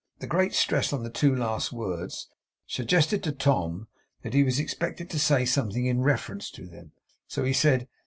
The great stress on the two last words suggested to Tom that he was expected to say something in reference to them. So he said.